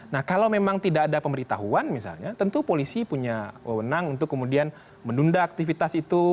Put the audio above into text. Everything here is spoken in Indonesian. nah kalau memang tidak ada pemberitahuan misalnya tentu polisi punya wewenang untuk kemudian menunda aktivitas itu